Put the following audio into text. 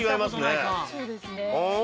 そうですね。